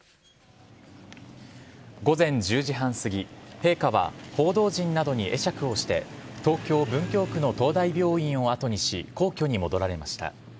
午前１０時半過ぎ、陛下は報道陣などに会釈をして、東京・文京区の東大病院を後にし、皇居に戻られました。